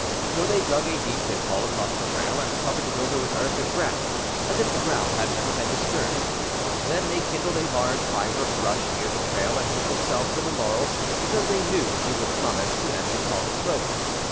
So they dug a deep pitfall across the trail and covered it over with earth and grass as if the ground had never been disturbed. Then they kindled a large fire of brush near the trail and hid themselves in the laurels, because they knew she would come as soon as she saw the smoke.